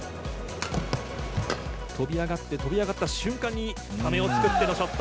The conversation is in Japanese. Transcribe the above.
跳び上がって跳び上がった瞬間に、ためを作ってのショット。